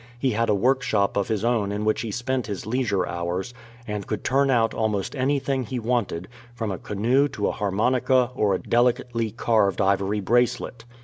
He had a workshop of his own in which he spent his leisure hours, and could turn out almost anything he wanted, from a canoe to a harmonica or a delicately carved ivory bracelet.